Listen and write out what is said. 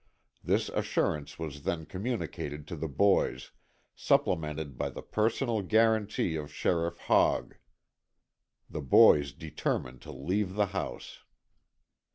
This assurance was then communicated to the boys, supplemented by the personal guaranty of Sheriff Hogg. The boys determined to leave the house.